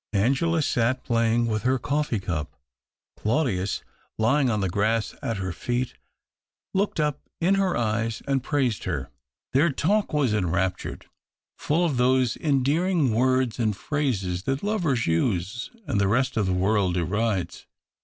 Angela sat, playing ^vith her cofFee cup ; Claudius lying on the ^ grass at her feet, looked up in her eyes and praised her. Their talk was enraptured, full of those endearing words and phrases that lovers use and the rest of the world derides.